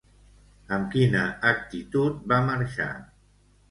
Amb quina actitud va marxar?